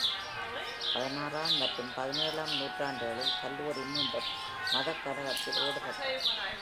பதினாறாம் மற்றும் பதினேழாம் நூற்றாண்டுகளில், கல்லூரி மீண்டும் மதக் கலகத்தில் ஈடுபட்டது.